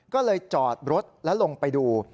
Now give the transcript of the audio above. ก็เลยจอดรถแล้วลงไปดู